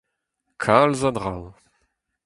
Kalz a draoù !